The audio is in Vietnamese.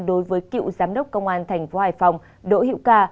đối với cựu giám đốc công an thành phố hải phòng đỗ hiễu ca